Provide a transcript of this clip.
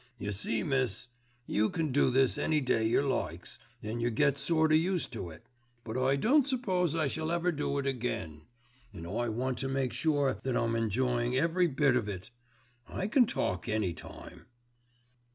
"You see, miss, you can do this any day yer likes, and yer gets sort o' used to it; but I don't suppose I shall ever do it again, and I want to make sure that I'm enjoyin' every bit of it. I can talk any time."